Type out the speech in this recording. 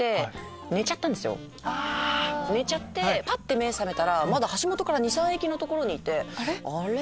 寝ちゃってぱって目覚めたらまだ橋本から２３駅にいてあれ？